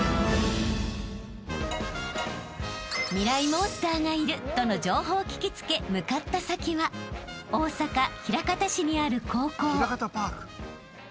モンスターがいるとの情報を聞き付け向かった先は大阪枚方市にある高校］